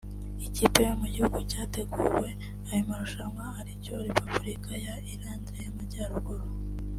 ikipe yo mu gihugu cyateguye ayo marushanwa aricyo Repubulika ya Irland y’Amajyaruguru